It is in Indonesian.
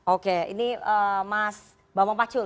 oke ini mas bambang pacul